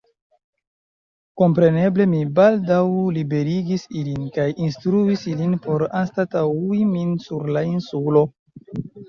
Kompreneble, mi baldaŭ liberigis ilin, kaj instruis ilin por anstataŭi min sur la insulo.